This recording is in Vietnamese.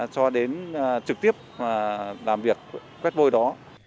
cho đến trực tiếp làm việc quét vôi đó